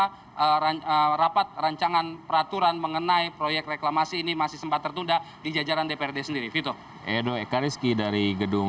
karena rapat rancangan peraturan mengenai proyek reklamasi ini masih sempat tertunda di jajaran dprd sendiri